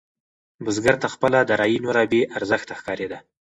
بزګر ته خپله دارايي نوره بې ارزښته ښکارېده.